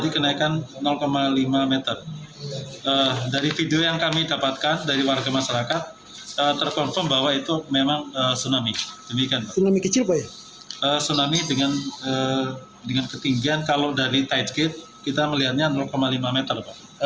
kemudian kalau dari tight gate kita melihatnya lima meter